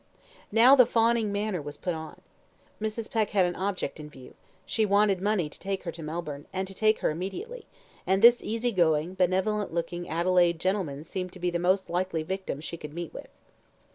Now the fawning manner was put on. Mrs. Peck had an object in view she wanted money to take her to Melbourne, and to take her immediately, and this easy going, benevolent looking Adelaide gentleman seemed to be the most likely victim she could meet with.